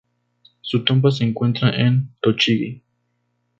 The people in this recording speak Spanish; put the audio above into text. Su tumba se encuentra en Tochigi.